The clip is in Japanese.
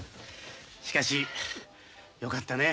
しかしよかったねえ。